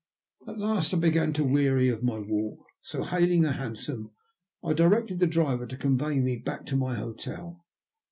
77 At last I began to weary of my walk, bo, hailing a hansom, I directed the driver to convey me back to my hotel.